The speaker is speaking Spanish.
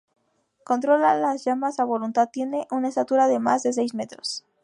Controla las llamas a voluntad, tiene una estatura de más de seis metros.